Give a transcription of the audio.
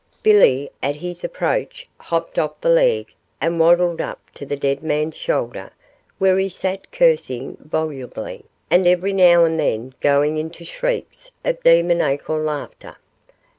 Billy at his approach hopped off the leg and waddled up to the dead man's shoulder, where he sat cursing volubly, and every now and then going into shrieks of demoniacal laughter.